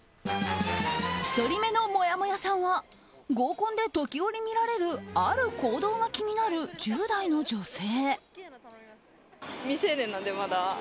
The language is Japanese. １人目のもやもやさんは合コンで時折見られるある行動が気になる１０代の女性。